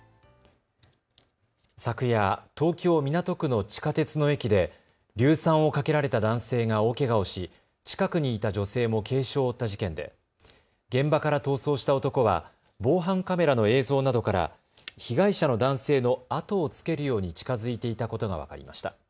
昨夜、東京港区の地下鉄の駅で硫酸をかけられた男性が大けがをし近くにいた女性も軽傷を負った事件で現場から逃走した男は防犯カメラの映像などから被害者の男性の後をつけるように近づいていたことが分かりました。